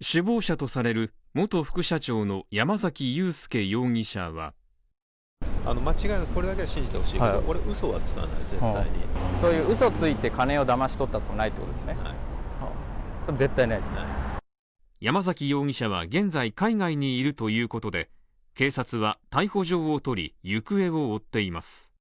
首謀者とされる元副社長の山崎裕輔容疑者は山崎容疑者は現在海外にいるということで警察は逮捕状を取り行方を追っています。